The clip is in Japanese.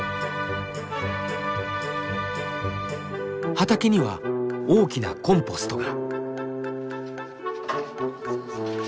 畑には大きなコンポストが。